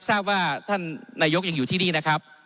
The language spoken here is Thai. ท่านนายกอย่างอยู่ที่นี่นะครับ